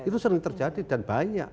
itu sering terjadi dan banyak